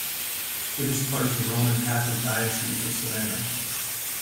It is part of the Roman Catholic Diocese of Savannah.